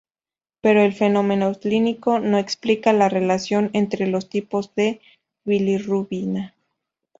Pero el fenómeno clínico no explica la relación entre los tipos de bilirrubina.